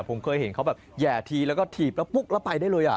ผมเคยเห็นเค้าแบบแห่ทีแล้วทีบแล้วปุ๊ปไปได้เลยอ่ะ